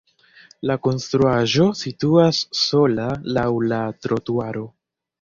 La konstruaĵo situas sola laŭ la trotuaro.